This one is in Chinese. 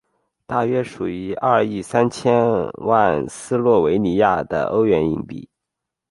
大约属于二亿三千万斯洛维尼亚的欧元硬币。